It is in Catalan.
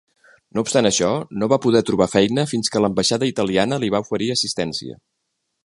No obstant això, no va poder trobar feina fins que l'ambaixada italiana li va oferir assistència.